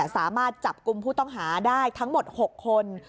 สามารถจับกลุ่มผู้ต้องหาได้ทั้งหมด๖คน